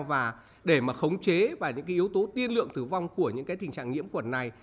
và để mà khống chế và những yếu tố tiên lượng tử vong của những tình trạng nhiễm khuẩn này